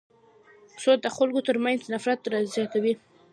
سود د خلکو تر منځ نفرت زیاتوي.